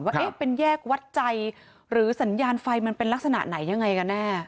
ว่าเป็นแยกวัดใจหรือสัญญาณไฟมันเป็นลักษณะไหนยังไงกันแน่